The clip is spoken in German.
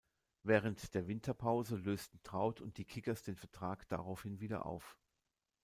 Während der Winterpause lösten Traut und die Kickers den Vertrag daraufhin wieder auf.